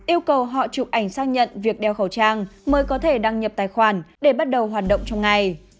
yêu cầu họ chụp ảnh xác nhận việc đeo khẩu trang mới có thể đăng nhập tài khoản để bắt đầu hoạt động trong ngày